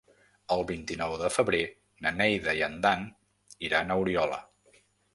El vint-i-nou de febrer na Neida i en Dan iran a Oriola.